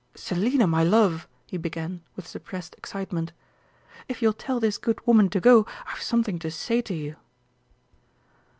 "Selina, my love," he began, with suppressed excitement, "if you'll tell this good woman to go, I've something to say to you."